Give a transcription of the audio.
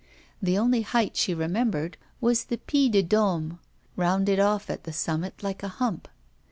The only height she remembered was the Puy de Dôme, rounded off at the summit like a hump.